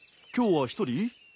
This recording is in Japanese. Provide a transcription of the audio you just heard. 今日は一人？